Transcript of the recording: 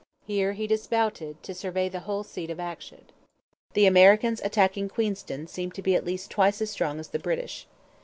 Here he dismounted to survey the whole scene of action. The Americans attacking Queenston seemed to be at least twice as strong as the British.